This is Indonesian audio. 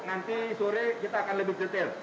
nanti sore kita akan lebih detail